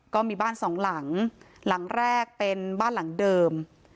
ก็มีบ้านสองหลังหลังแรกเป็นบ้านหลังเดิม